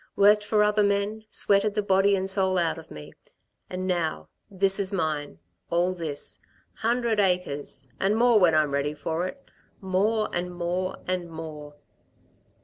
Worked for other men, sweated the body and soul out of me ... and now, this is mine ... all this ... hundred acres ... and more when I'm ready for it, more, and more, and more...."